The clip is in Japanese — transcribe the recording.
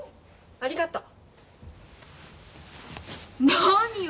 ありがとう。